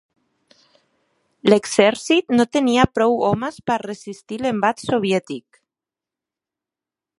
L'exèrcit no tenia prou homes per resistir l'embat soviètic.